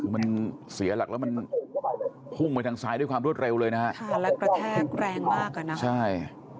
มันเสียหลักแล้วมันพุ่งไปทางซ้ายด้วยความรวดเร็วเลยนะฮะค่ะแล้วกระแทกแรงมากอ่ะนะคะใช่